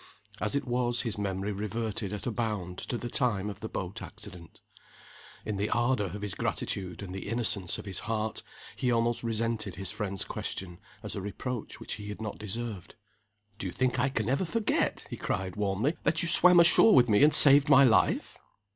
As it was his memory reverted at a bound to the time of the boat accident. In the ardor of his gratitude and the innocence of his heart, he almost resented his friend's question as a reproach which he had not deserved. "Do you think I can ever forget," he cried, warmly, "that you swam ashore with me and saved my life?"